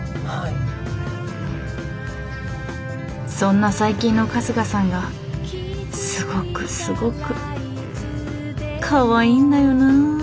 そんな最近の春日さんがすごくすごくかわいいんだよなあ